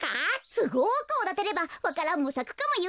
すごくおだてればわか蘭もさくかもよ。